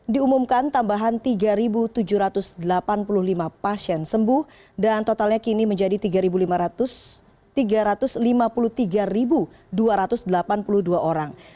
diumumkan tambahan tiga tujuh ratus delapan puluh lima pasien sembuh dan totalnya kini menjadi tiga ratus lima puluh tiga dua ratus delapan puluh dua orang